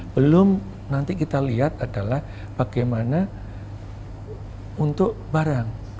belum nanti kita lihat adalah bagaimana untuk barang